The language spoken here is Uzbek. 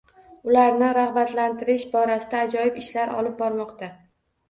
Ularni ragʻbatlantirish borasida ajoyib ishlar olib bormoqda.